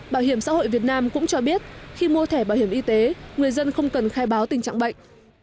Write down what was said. bảo hiểm xã hội việt nam cũng cho biết khi mua thẻ bảo hiểm y tế người dân không cần khai báo tình trạng bệnh